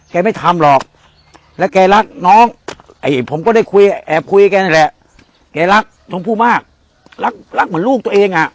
แกไม่ทำหรอกและแกรักน้องไอหิผมก็ได้คุยแอบคุยกันแหละ